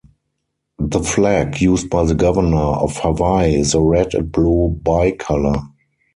The flag used by the governor of Hawaii is a red and blue bi-color.